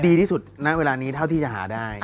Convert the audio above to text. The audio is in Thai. ดีที่สุดณเวลานี้เท่าที่จะหาได้